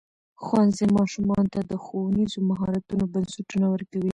ښوونځی ماشومانو ته د ښوونیزو مهارتونو بنسټونه ورکوي.